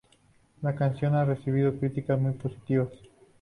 La canción ha recibido críticas muy positivas.